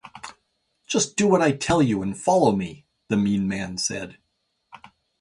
“Just do what I tell you to and follow me!” the mean man said.